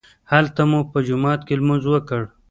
هلته مو په جومات کې لمونځ وکړ.